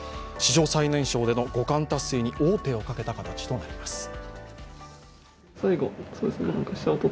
史上最年少での五冠達成に王手をかけた形となります。